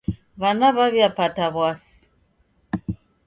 W'ana w'aw'iapata w'asi.